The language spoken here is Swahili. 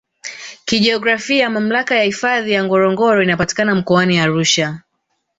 Kijiografia Mamlaka ya hifadhi ya Ngorongoro inapatikana Mkoani Arusha